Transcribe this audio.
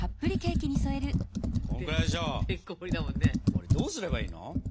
これどうすればいいの？